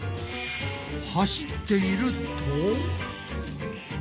走っていると。